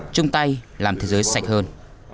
chung tay làm thế giới sạch hơn